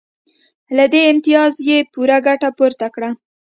له دې امتیازه یې پوره ګټه پورته کړه